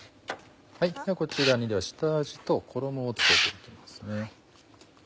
ではこちらに下味と衣を付けていきます。